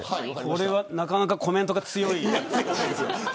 これはなかなかコメントが強い。